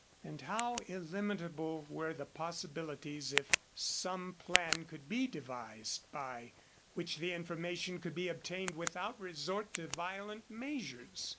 And how illimitable were the possibilities if some plan could be devised by which the information could be obtained without resort to violent measures!